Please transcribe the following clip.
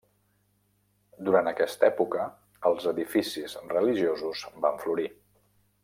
Durant aquesta època els edificis religiosos van florir.